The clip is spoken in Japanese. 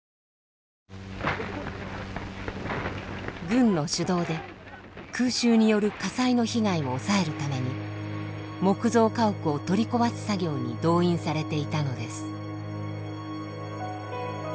軍の主導で空襲による火災の被害を抑えるために木造家屋を取り壊す作業に動員されていたのです。